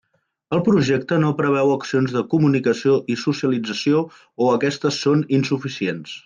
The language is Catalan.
El projecte no preveu accions de comunicació i socialització, o aquestes són insuficients.